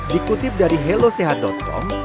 dikutip dari hellosehat com